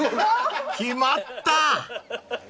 ［決まった］